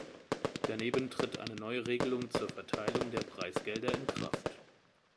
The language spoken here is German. Daneben tritt eine neue Regelung zur Verteilung der Preisgelder in Kraft.